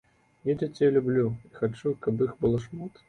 Я дзяцей люблю і хачу, каб іх было шмат.